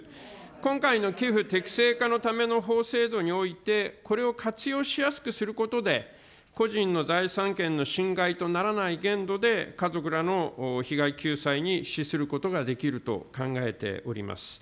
今回の寄付適正化のための法制度において、これを活用しやすくすることで、個人の財産権の侵害とならない限度で、家族らの被害救済に資することができると考えております。